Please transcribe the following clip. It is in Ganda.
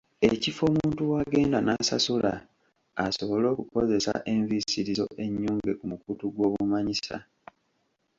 Ekifo omuntu w'agenda n’asasula asobole okukozesa enviisirizo ennyunge ku mukutu gw’obumanyisa.